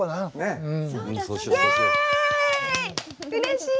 うれしい。